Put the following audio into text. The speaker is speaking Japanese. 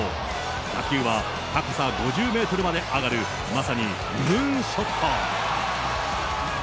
打球は高さ５０メートルまで上がる、まさにムーンショット。